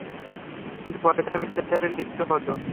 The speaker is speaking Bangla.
কিন্তু পরে তারা মিথ্যাচারে লিপ্ত হত।